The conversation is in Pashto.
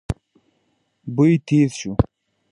بوی تېز شو.